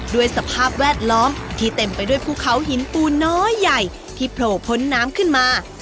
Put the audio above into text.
สภาพแวดล้อมที่เต็มไปด้วยภูเขาหินปูน้อยใหญ่ที่โผล่พ้นน้ำขึ้นมา